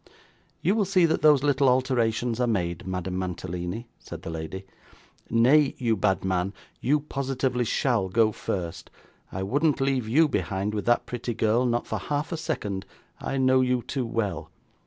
'You will see that those little alterations are made, Madame Mantalini,' said the lady. 'Nay, you bad man, you positively shall go first; I wouldn't leave you behind with that pretty girl, not for half a second. I know you too well.